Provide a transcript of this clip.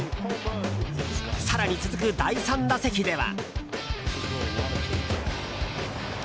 更に続く第３打席では。